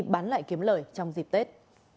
bán lại kiếm lời trong dịp tết